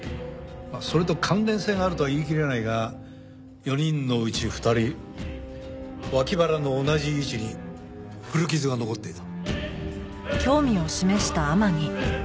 それと関連性があるとは言いきれないが４人のうち２人脇腹の同じ位置に古傷が残っていた。